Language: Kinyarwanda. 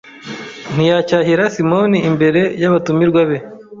ntiyacyahira Simoni imbere y'abatumirwa be